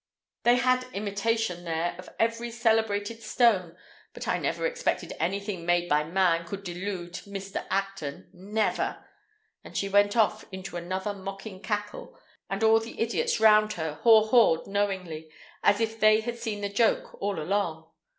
They had imitation there of every celebrated stone; but I never expected anything made by man could delude Mr. Acton, never!" And she went off into another mocking cackle, and all the idiots round her haw hawed knowingly, as if they had seen the joke all along.